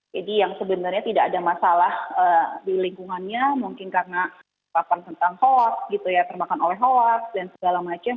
jadi yang sebenarnya tidak ada masalah di lingkungannya mungkin karena papan tentang hoax gitu ya termakan oleh hoax dan segala macam